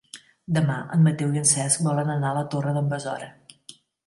Demà en Mateu i en Cesc volen anar a la Torre d'en Besora.